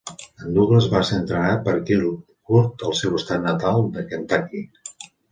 En Douglas va ser entrenat per Killer Kurt al seu estat natal de Kentucky.